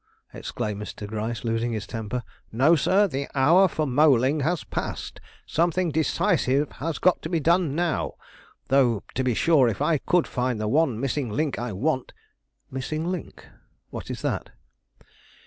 exclaimed Mr. Gryce, losing his temper. "No, sir; the hour for moleing has passed; something decisive has got to be done now; though, to be sure, if I could find the one missing link I want " "Missing link? What is that?"